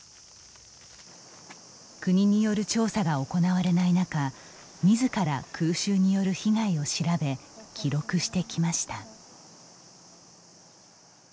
国による調査が行われない中みずから空襲による被害を調べ記録してきました。